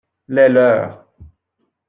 Les leurs.